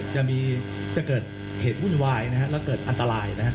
จะเกิดเหตุวุ่นวายแล้วเกิดอันตรายนะฮะ